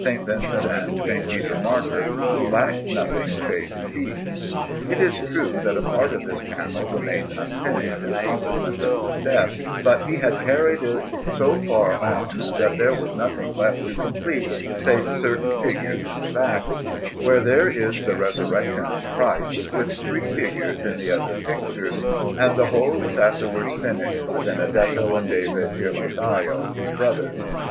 Vincent and S. Peter Martyr, who lack nothing save speech. It is true that a part of this panel remained unfinished in consequence of his death; but he had carried it so far on that there was nothing left to complete save certain figures on the back, where there is the Resurrection of Christ, with three figures in the other pictures, and the whole was afterwards finished by Benedetto and David Ghirlandajo, his brothers.